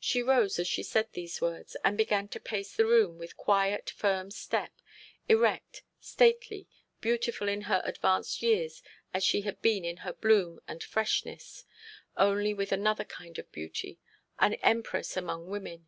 She rose as she said these words, and began to pace the room, with quiet, firm step, erect, stately, beautiful in her advanced years as she had been in her bloom and freshness, only with another kind of beauty an empress among women.